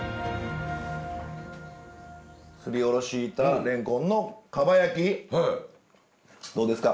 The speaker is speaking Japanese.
すりおろしたれんこんのかば焼きどうですか？